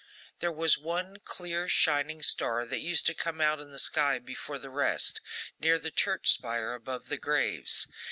There was one clear shining star that used to come out in the sky before the rest, near the church spire, above the graves.